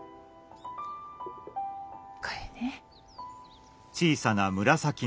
これね。